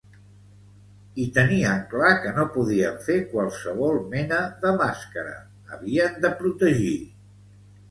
I tenien clar que no podien fer qualsevol mena de màscara, havien de protegir.